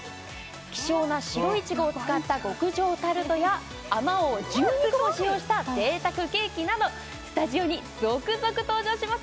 希少な白いちごを使った極上タルトやあまおう１２個も使用した贅沢ケーキなどスタジオに続々登場します